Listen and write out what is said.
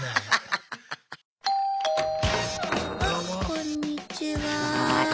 こんにちは。